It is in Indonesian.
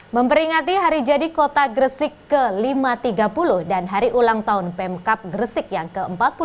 memperingati hari jadi kota gresik ke lima ratus tiga puluh dan hari ulang tahun pemkap gresik yang ke empat puluh lima